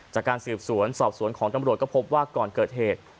จากการสืบสวนสอบสวนของตำรวจก็พบว่าก่อนเกิดเหตุ